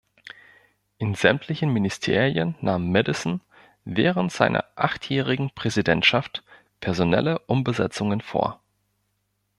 In sämtlichen Ministerien nahm Madison während seiner achtjährigen Präsidentschaft personelle Umbesetzungen vor.